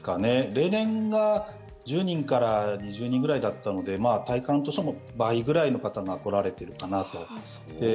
例年が１０人から２０人ぐらいだったので体感としても倍ぐらいの方が来られてるかなと。